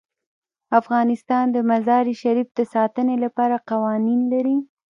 افغانستان د مزارشریف د ساتنې لپاره قوانین لري.